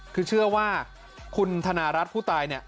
คือเชื่อว่าคุณธนารัฐผู้ตายเนี่ย